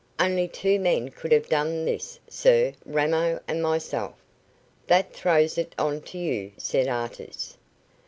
"Only two men could have done this, sir, Ramo and myself." "That throws it on to you," said Artis.